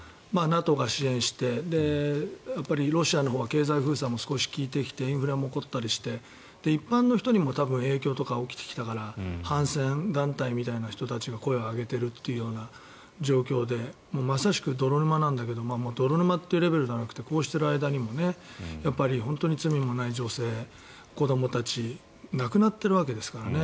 ＮＡＴＯが支援をしてやっぱりロシアのほうは経済封鎖も少しは効いてきてインフレも起こったりして一般の人にも影響が及んできたから反戦団体みたいな人たちが声を上げているという状況でまさしく泥沼なんだけど泥沼というレベルじゃなくてこうしている間にもやっぱり本当に罪のない女性子どもたち亡くなっているわけですからね。